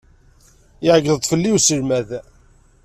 Iɛeyyeḍ-d fell-i uselmad.